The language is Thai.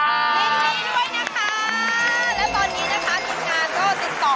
และตอนนี้นะคะคุณงานก็ติดต่อ